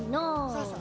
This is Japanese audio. そうそう。